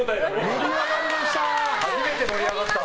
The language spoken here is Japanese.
盛り上がりました！